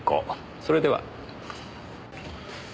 それでは。